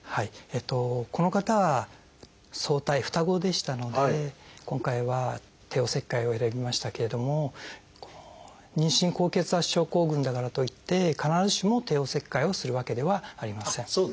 この方は双胎双子でしたので今回は帝王切開を選びましたけれども妊娠高血圧症候群だからといって必ずしも帝王切開をするわけではありません。